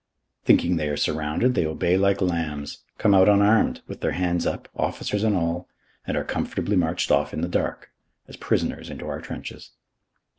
Thinking they are surrounded, they obey like lambs, come out unarmed, with their hands up, officers and all, and are comfortably marched off in the dark, as prisoners into our trenches.